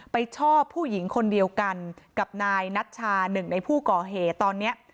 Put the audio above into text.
ชอบผู้หญิงคนเดียวกันกับนายนัชชาหนึ่งในผู้ก่อเหตุตอนนี้